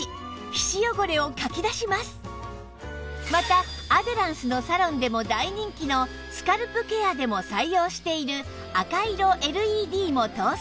またアデランスのサロンでも大人気のスカルプケアでも採用している赤色 ＬＥＤ も搭載